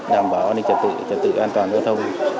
đảm bảo an ninh trật tự trật tự an toàn giao thông